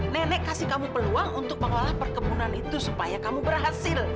nenek kasih kamu peluang untuk mengolah perkebunan itu supaya kamu berhasil